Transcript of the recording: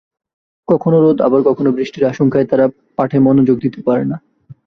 কখনো রোদ আবার কখনো বৃষ্টির আশঙ্কায় তারা পাঠে মনোযোগ দিতে পারে না।